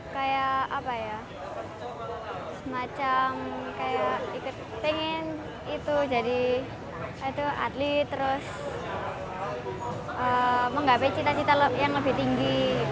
kayak apa ya semacam kayak ikut pengen itu jadi atlet terus menggapai cita cita yang lebih tinggi